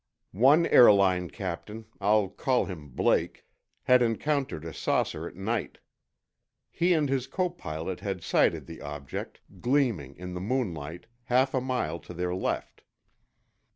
One airline captain—I'll call him Blake—had encountered a saucer at night. He and his copilot had sighted the object, gleaming, in the moonlight, half a mile to their left.